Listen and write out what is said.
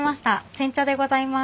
煎茶でございます。